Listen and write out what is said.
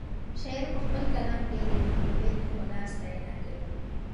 شاعر په خپل کلام کې د محبوبې د ښکلا ستاینه کوي.